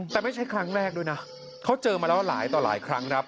แต่ไม่ใช่ครั้งแรกด้วยนะเขาเจอมาแล้วหลายต่อหลายครั้งครับ